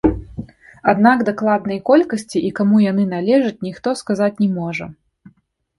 Аднак дакладнай колькасці і каму яны належаць ніхто сказаць не можа.